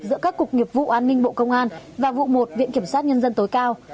giữa các cục nghiệp vụ an ninh bộ công an và vụ một viện kiểm sát nhân dân tối cao